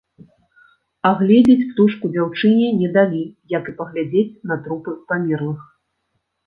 Агледзець птушку дзяўчыне не далі, як і паглядзець на трупы памерлых.